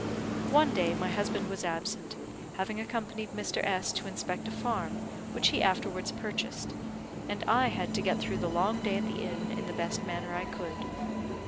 One day my husband was absent, having accompanied Mr. S to inspect a farm, which he afterwards purchased, and I had to get through the long day at the inn in the best manner I could.